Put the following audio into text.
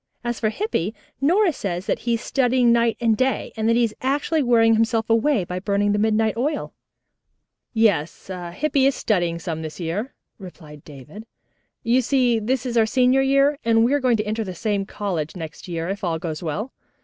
As for Hippy, Nora says that he is studying night and day, and that he is actually wearing himself away by burning midnight oil." "Yes, Hippy is studying some this year," replied David. "You see this is our senior year, and we are going to enter the same college next year, if all goes well.